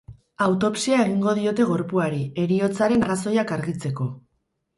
Autopsia egingo diote gorpuari, heriotzaren arrazoiak argitzeko.